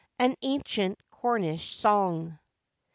AN ANCIENT CORNISH SONG.